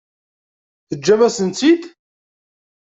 Teǧǧam-asen-tt-id?